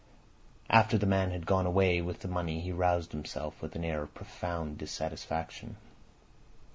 After the man had gone away with the money he roused himself, with an air of profound dissatisfaction.